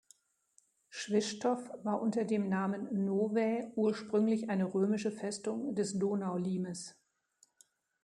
Swischtow war unter dem Namen "Novae" ursprünglich eine römische Festung des Donaulimes.